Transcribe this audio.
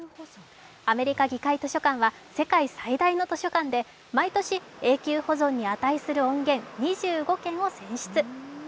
アメリカ議会図書館は世界最大の図書館で毎年、永久保存に値する音源２５件を選出。